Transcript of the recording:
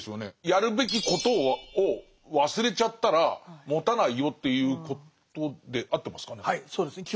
やるべきことを忘れちゃったらもたないよっていうことで合ってますかね？